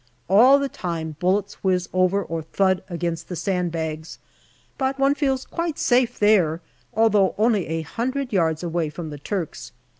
All the time bullets whiz over or thud against the sand bags, but one feels quite safe there, although only a hundred yards away from the Turks.